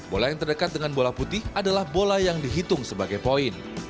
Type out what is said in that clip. bola yang terdekat dengan bola putih adalah bola yang dihitung sebagai poin